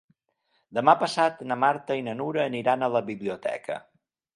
Demà passat na Marta i na Nura aniran a la biblioteca.